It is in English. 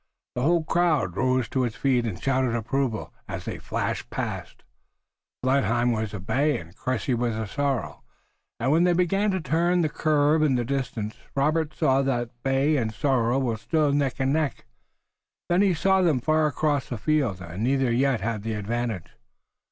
The whole crowd rose to its feet and shouted approval as they flashed past. Blenheim was a bay and Cressy was a sorrel, and when they began to turn the curve in the distance Robert saw that bay and sorrel were still neck and neck. Then he saw them far across the field, and neither yet had the advantage.